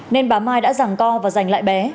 nên bà mai đã giảng co và dành lại bé